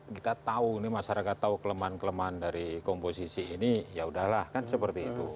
kita tahu masyarakat tahu kelemahan kelemahan dari komposisi ini ya udahlah kan seperti itu